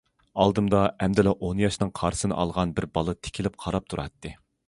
ئالدىمدا ئەمدىلا ئون ياشنىڭ قارىسىنى ئالغان بىر بالا تىكىلىپ قاراپ تۇراتتى.